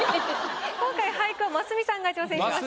今回俳句はますみさんが挑戦しました。